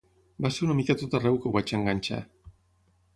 Va ser una mica a tot arreu que ho vaig enganxar.